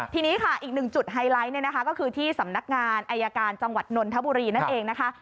ทีนี้ค่ะอีกหนึ่งจุดไฮไลท์เนี่ยนะคะก็คือที่สำนักงานอายการจังหวัดนนทบุรีนั่นเองนะคะ